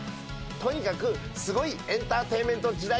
とにかくすごいエンターテインメント時代劇です。